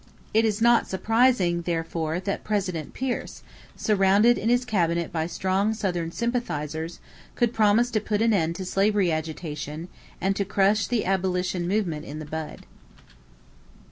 It is not surprising, therefore, that President Pierce, surrounded in his cabinet by strong Southern sympathizers, could promise to put an end to slavery agitation and to crush the abolition movement in the bud.